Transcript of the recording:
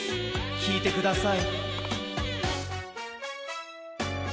きいてください。